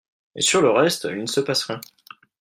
Mais sur le reste, il ne se passe rien.